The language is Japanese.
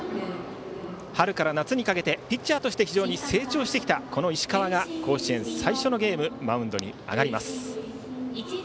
春から夏にかけてピッチャーとして非常に成長してきたこの石川が、甲子園最初のゲームマウンドに上がります。